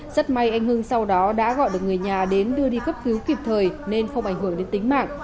rất may anh hưng sau đó đã gọi được người nhà đến đưa đi cấp cứu kịp thời nên không ảnh hưởng đến tính mạng